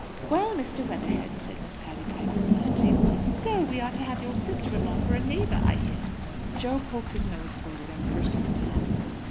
"Well, Mr. Weatherhead," said Miss Patty Piper, blandly, "so we are to have your sister in law for a neighbour, I hear." Jo poked his nose forward, and pursed up his mouth.